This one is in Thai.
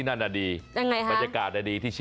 นี่